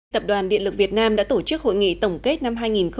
tập đoàn điện lực việt nam đã tổ chức hội nghị tổng kết năm hai nghìn một mươi chín